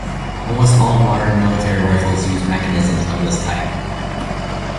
Almost all modern military rifles use mechanisms of this type.